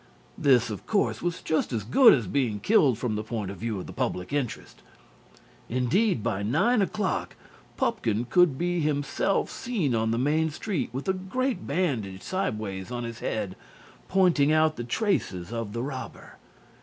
This, of course, was just as good as being killed from the point of view of public interest. Indeed, by nine o'clock Pupkin could be himself seen on the Main Street with a great bandage sideways on his head, pointing out the traces of the robber.